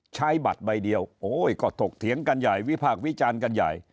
ใช้บัตรใบเดียวโอ้ยก็ถกเถียงกันใหญ่วิพากษ์วิจารณ์กันใหญ่